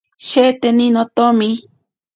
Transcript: Sheteni notomi.